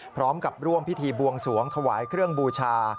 พร้อมกับร่วมพิธีบวงสวงถวายเครื่องบูชา